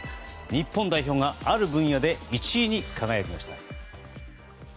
日本代表がある分野で１位に輝きました。